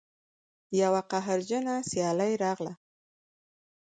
یوه قهرجنه سیلۍ راغله